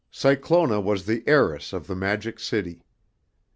Cyclona was the heiress of the Magic City.